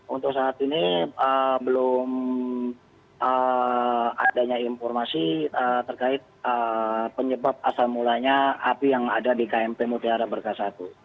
untuk saat ini belum adanya informasi terkait penyebab asal mulanya api yang ada di kmp mutiara berkas satu